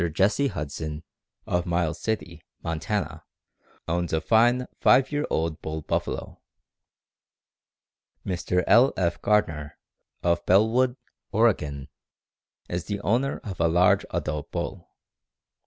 Jesse Huston, of Miles City, Montana_, owns a fine five year old bull buffalo. Mr. L. F. Gardner, of Bellwood, Oregon, is the owner of a large adult bull.